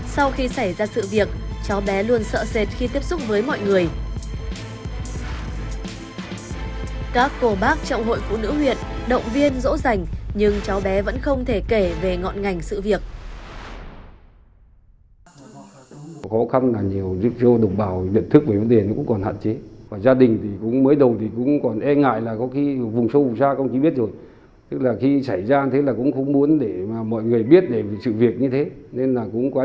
sau khi xảy ra sự việc cháu bé luôn sợ sệt khi tiếp xúc với mọi người các cô bác trọng hội